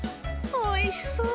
おいしそう！